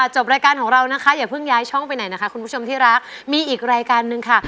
จบรายการของเรานะคะอย่าเพิ่งย้ายช่องไปไหนนะคะคุณผู้ชมที่รักมีอีกรายการหนึ่งค่ะ